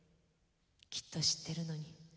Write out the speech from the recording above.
きっと知ってるのに。